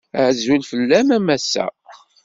Azul fell-am a massa.